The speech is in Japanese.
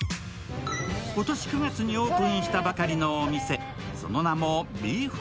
今年９月にオープンしたばかりのお店、その名もＢＥＥＦＰＡＳＴＡ。